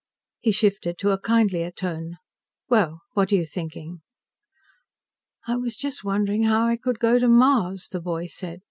He shifted to a kindlier tone. "Well, what are you thinking?" "I was just wondering how I could go to Mars," the boy said.